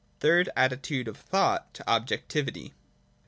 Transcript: THIRD ATTITUDE OF THOUGHT TO OBJECTIVITY.